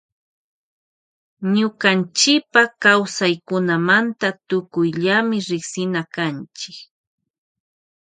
Tukuyllami riksina kanchi ñukanchipa kawsaykunamanta.